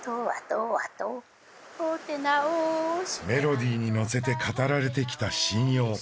メロディーに乗せて語られてきた神謡。